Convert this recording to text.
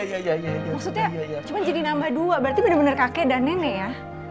maksudnya cuma jadi nambah dua berarti benar benar kakek dan nenek ya